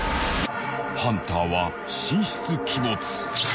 ［ハンターは神出鬼没］